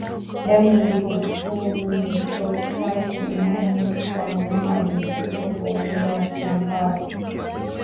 Damu yenye povupovu hutoka kinywani kwa mnyama aliyekufa kwa ugonjwa wa chambavu